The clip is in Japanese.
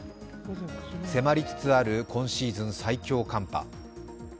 迫りつつある今シーズン最強寒波。